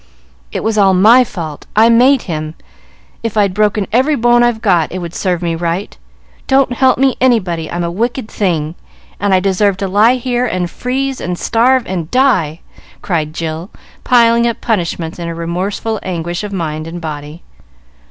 "It was all my fault; I made him. If I'd broken every bone I've got, it would serve me right. Don't help me, anybody; I'm a wicked thing, and I deserve to lie here and freeze and starve and die!" cried Jill, piling up punishments in her remorseful anguish of mind and body.